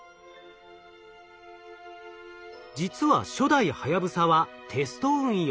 実は初代はやぶさはテスト運用。